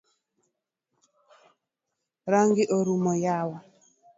Rangi orumo yawa.